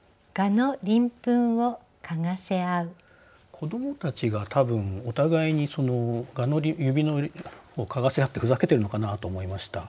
子どもたちが多分お互いに蛾の指のを嗅がせあってふざけてるのかなと思いました。